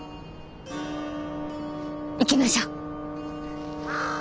行きましょう！